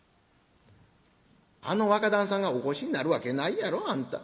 あの若旦さんがお越しになるわけないやろあんた。